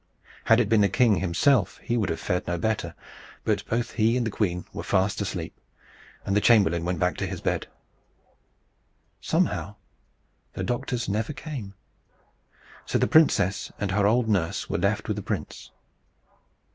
Had it been the king himself, he would have fared no better. But both he and the queen were fast asleep. And the chamberlain went back to his bed. Somehow, the doctors never came. So the princess and her old nurse were left with the prince.